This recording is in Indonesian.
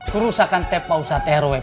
kursakan tepa usah terowek